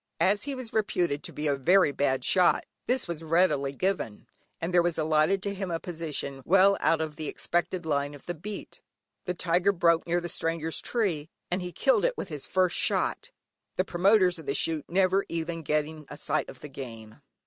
As he was reputed to be a very bad shot this was readily given, and there was allotted to him a position well out of the expected line of the beat. The tiger broke near the stranger's tree, and he killed it with his first shot, the promoters of the shoot never even getting a sight of the game.